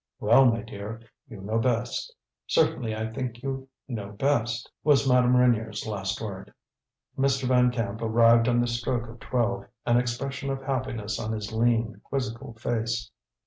"Well, my dear, you know best; certainly I think you know best," was Madame Reynier's last word. Mr. Van Camp arrived on the stroke of twelve, an expression of happiness on his lean, quizzical face.